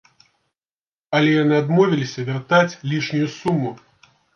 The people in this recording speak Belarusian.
Але яны адмовіліся вяртаць лішнюю суму.